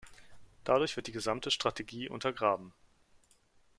Dadurch wird die gesamte Strategie untergraben.